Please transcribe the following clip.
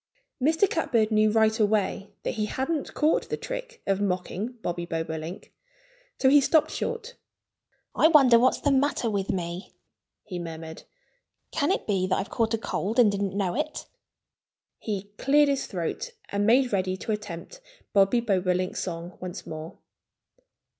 Mr. Catbird knew right away that he hadn't caught the trick of mocking Bobby Bobolink. So he stopped short. "I wonder what's the matter with me," he murmured. "Can it be that I've caught a cold and didn't know it?" He cleared his throat and made ready to attempt Bobby Bobolink's song once more.